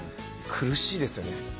苦しいですよね